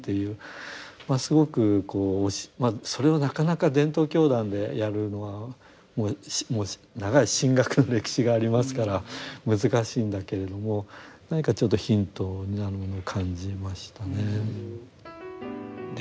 すごくこうそれをなかなか伝統教団でやるのはもう長い神学の歴史がありますから難しいんだけれども何かちょっとヒントになるものを感じましたね。